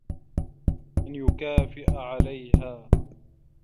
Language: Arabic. أَنْ يُكَافِئَ عَلَيْهَا